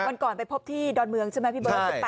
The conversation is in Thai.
วันก่อนไปพบที่ดอนเมืองใช่ไหมพี่เบิร์ต